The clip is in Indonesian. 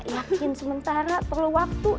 yakin sementara perlu waktu